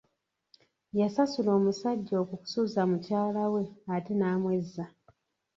Yasasula omusajja okusuza mukyala we ate n'amwezza.